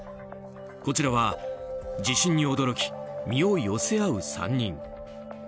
こちらは地震に驚き身を寄せ合う３人。